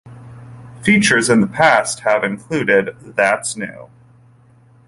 Features in the past have included That's New!